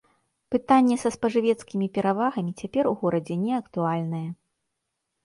Пытанне са спажывецкімі перавагамі цяпер у горадзе неактуальнае.